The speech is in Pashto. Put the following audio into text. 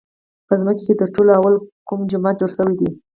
په ځمکه کې تر ټولو لومړی کوم جومات جوړ شوی دی؟